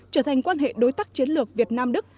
trở thành quan hệ đối tác chiến lược việt nam đức